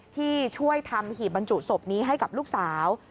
ที่ช่วยทำหีบบรรจุศพนี้ให้กับลูกสาว